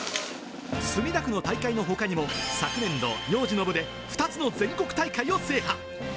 墨田区の大会のほかにも、昨年度幼児の部で、２つの全国大会を制覇。